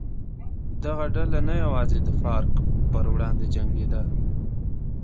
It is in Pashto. دغه ډله نه یوازې د فارک پر وړاندې جنګېده.